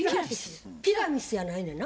ティラミスやないねんな？